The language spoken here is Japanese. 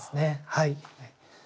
はい。